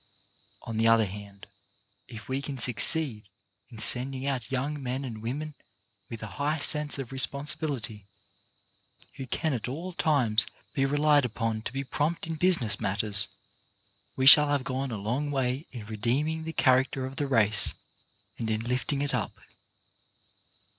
On the other hand, if we can succeed in sending out young men and women with a high sense of re sponsibility, who can at all times be relied upon to be prompt in business matters, we shall have gone a long way in redeeming the character of the race and in lifting it up.